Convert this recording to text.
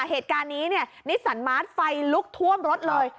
เหตุการณ์นี้เนี่ยนิสสันมาร์ทไฟลุกท่วมรถเลย